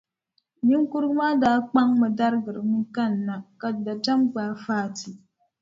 Niŋkurugu maa daa kpaŋ darigirimi kanna, ka dabiɛm gbaai Fati.